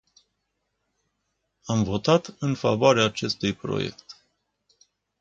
Am votat în favoarea acestui proiect.